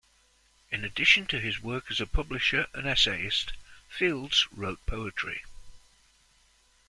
In addition to his work as a publisher and essayist, Fields wrote poetry.